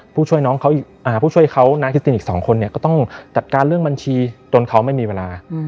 ผู้ช่วยน้องเขาอีกผู้ช่วยเขาน้าแคสตินอีก๒คนก็ต้องจัดการเรื่องบัญชีจนเขาไม่มีเวลา